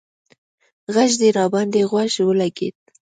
غږ دې راباندې خوږ ولگېد